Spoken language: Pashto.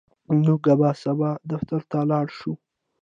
موږ به سبا دفتر ته لاړ شو.